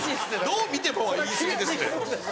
どう見てもは言い過ぎです。